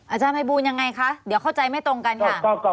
อาจารย์ภัยบูลยังไงคะเดี๋ยวเข้าใจไม่ตรงกันค่ะ